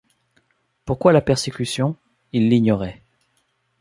Pourquoi la persécution? il l’ignorait.